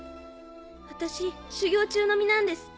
私修行中の身なんです。